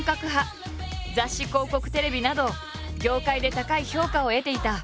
雑誌広告テレビなど業界で高い評価を得ていた。